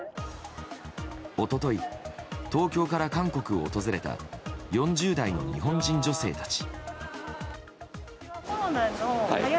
一昨日、東京から韓国を訪れた４０代の日本人女性たち。